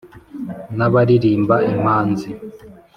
n’ abaririmba impanzi,